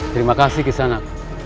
terima kasih kisanak